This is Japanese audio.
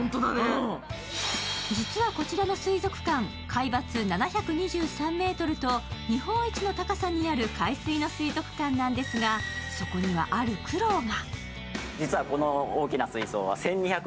実はこちらの水族館、海抜７２３ｍと日本一の高さにある海水の水族館なんですが、そこにはある苦労が。